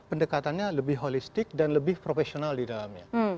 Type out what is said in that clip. pendekatannya lebih holistik dan lebih profesional di dalamnya